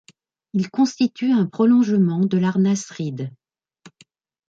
Il constitue un prolongement de l'art nasride.